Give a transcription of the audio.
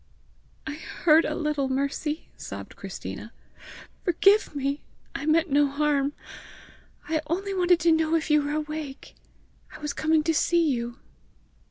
"I heard a little, Mercy!" sobbed Christina. "Forgive me; I meant no harm; I only wanted to know if you were awake; I was coming to see you."